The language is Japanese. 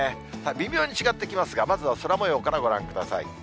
微妙に違ってきますが、まずは空もようからご覧ください。